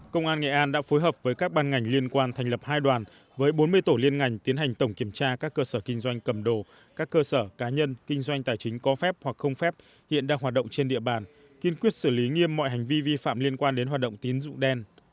công an nghệ an đã phối hợp với các ban ngành liên quan thành lập hai đoàn với bốn mươi tổ liên ngành tiến hành tổng kiểm tra các cơ sở kinh doanh cầm đồ các cơ sở cá nhân kinh doanh tài chính có phép hoặc không phép hiện đang hoạt động trên địa bàn kiên quyết xử lý nghiêm mọi hành vi vi phạm liên quan đến hoạt động tín dụng đen